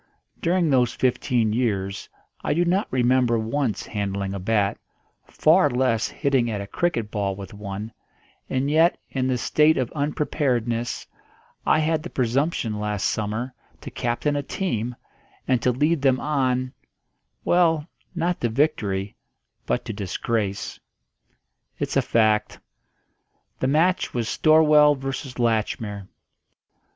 During those fifteen years I do not remember once handling a bat, far less hitting at a cricket ball with one; and yet, in this state of unpreparedness, I had the presumption last summer to captain a team, and to lead them on well, not to victory but to disgrace. It's a fact. The match was Storwell v. Latchmere.